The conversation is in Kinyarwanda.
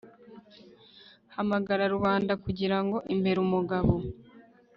hamagara rubanda kugira ngo imbere umugabo